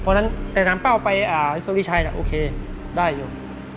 เพราะฉะนั้นแต่ถามเป้าไปสุริชัยโอเคได้อยู่